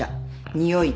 におい。